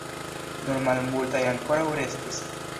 Nur malmultaj ankoraŭ restis.